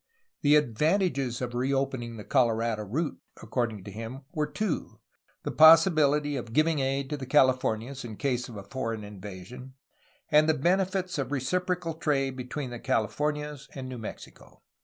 The advantages of reopening the Colorado route, according to him, were two: the possibility of giving aid to the Calif ornias in case of a foreign invasion; and the benefits of reciprocal trade between the Calif ornias and New Mexico.